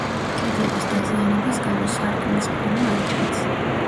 კედლების დაზიანების გამო სარკმლის ფორმა არ ჩანს.